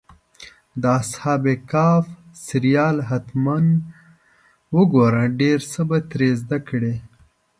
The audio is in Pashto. د اصحاب کهف سریال حتماً وګوره، ډېر څه به ترې زده کړې.